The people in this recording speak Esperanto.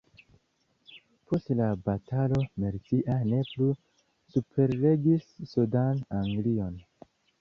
Post la batalo Mercia ne plu superregis sudan Anglion.